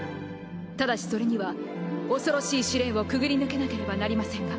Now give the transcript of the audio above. ただしそれには恐ろしい試練をくぐり抜けなければなりませんが。